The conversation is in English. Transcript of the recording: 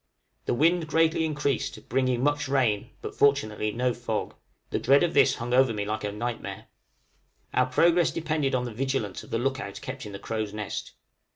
The wind greatly increased, bringing much rain, but fortunately no fog; the dread of this hung over me like a nightmare, our progress depended upon the vigilance of the look out kept in the crow's nest.